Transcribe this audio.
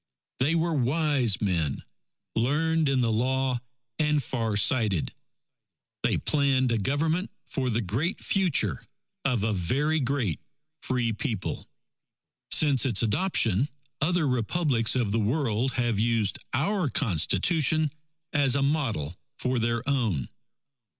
They were wise men, learned in the Law, and far sighted. They planned a Government for the great future of a very great Free People. Since its adoption, other Republics of the world have used our Constitution as a model for their own.